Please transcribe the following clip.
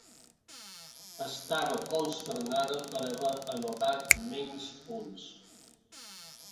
Estava consternada per haver anotat menys punts.